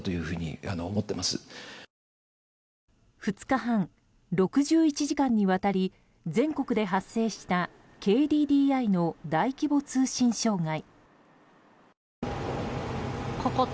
２日半、６１時間にわたり全国で発生したＫＤＤＩの大規模通信障害。